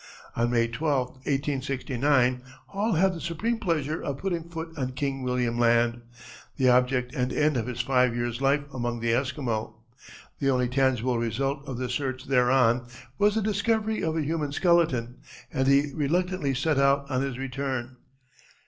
On May 12, 1869, Hall had the supreme pleasure of putting foot on King William Land, the object and end of his five years' life among the Esquimaux. The only tangible result of the search thereon was the discovery of a human skeleton, and he reluctantly set out on his return.